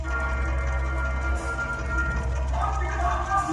دا دنیا د څه نه خدایه څه نهٔ شوه